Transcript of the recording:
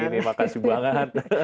terima kasih banget